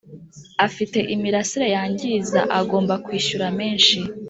afite imirasire yangiza agomba kwishyura menshi